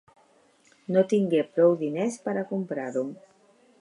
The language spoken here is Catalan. No tingué prou diners per a comprar-ho.